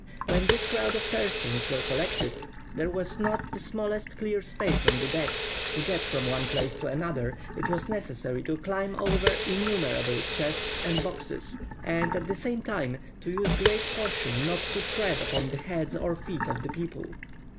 When this crowd of persons were collected, there was not the smallest clear space on the deck; to get from one place to another it was necessary to climb over innumerable chests and boxes, and at the same time to use great caution not to tread upon the heads or feet of the people.